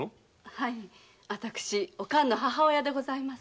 はい私おかんの母親でございます。